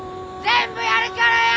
全部やるからよ！